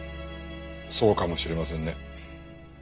そうかもしれませんね。